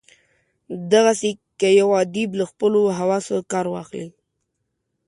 دغسي که یو ادیب له خپلو حواسو کار واخلي.